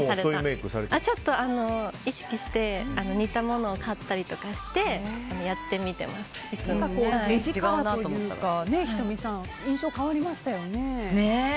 ちょっと意識して似たものを買ったりとかして目力というかね、仁美さん印象変わりましたよね。